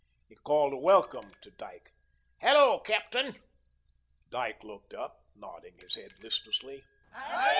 He called a welcome to Dyke. "Hello, Captain." Dyke looked up, nodding his head listlessly.